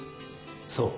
そう。